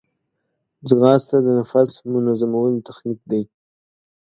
ځغاسته د نفس منظمولو تخنیک دی